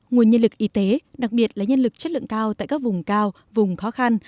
nguồn nhân lực y tế đặc biệt là nhân lực chất lượng cao tại các vùng cao vùng khó khăn